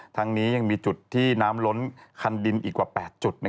ทั้งนี้ยังมีจุดที่น้ำล้นคันดินอีกกว่า๘จุด